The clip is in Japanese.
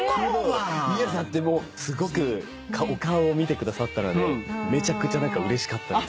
だってもうすごくお顔を見てくださったのでめちゃくちゃうれしかったです。